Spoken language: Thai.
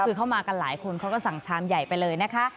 คือเข้ามากันหลายคนเขาก็สั่งชามใหญ่ไปเลยนะคะ